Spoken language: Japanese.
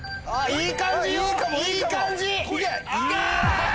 いい感じ！